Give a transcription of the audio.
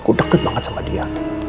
aku deket banget sama dia